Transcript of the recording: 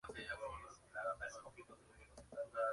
Se graduó en política social por la Universidad Abierta de Lisboa.